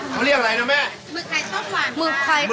เขาเรียกอะไรนะแม่